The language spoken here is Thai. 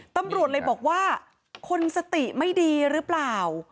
ตำรวจเลยบอกว่าคนสติไม่ดีหรือเปล่า